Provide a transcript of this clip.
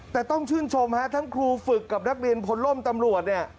แต่ต้องชื่นชมฮะทั้งครูฝึกกับนักเรียนพลล่มตำรวจเนี่ย